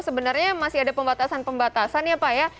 sebenarnya masih ada pembatasan pembatasan ya pak ya